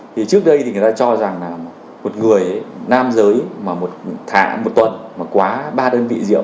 thì trước đây thì người ta cho rằng là một người nam giới mà một thả một tuần mà quá ba đơn vị rượu